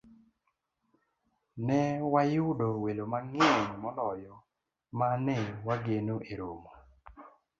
ne wayudo welo mang'eny moloyo ma ne wageno e romo